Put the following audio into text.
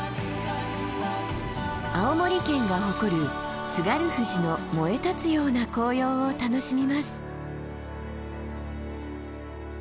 青森県が誇る津軽富士の燃え立つような紅葉を楽しみます。